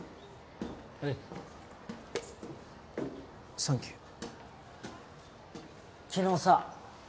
サンキュ昨日さ